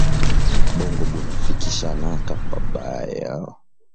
Bongo buna fikishanaka pa baya